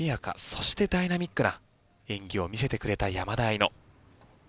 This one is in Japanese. そしてダイナミックな演技を見せてくれた山田愛乃。